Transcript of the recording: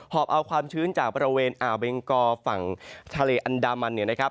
หอบเอาความชื้นจากบริเวณอาเบงกอฝั่งทะเลอันดามัน